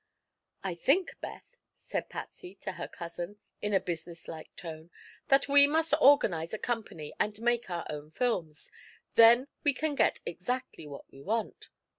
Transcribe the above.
"I think, Beth," said Patsy to her cousin, in a businesslike tone, "that we must organize a company and make our own films. Then we can get exactly what we want."